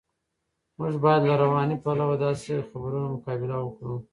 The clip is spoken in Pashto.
موږ باید له رواني پلوه د داسې خبرونو مقابله وکړو.